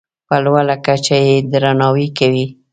په لوړه کچه یې درناوی کوي.